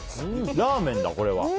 ラーメンだ、これは。